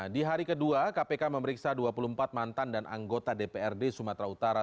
di hari kedua kpk memeriksa dua puluh empat mantan dan anggota dprd sumatera utara